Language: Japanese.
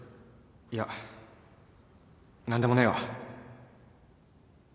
いや何でもねえわ